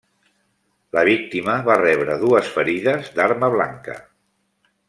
La víctima va rebre dues ferides d'arma blanca.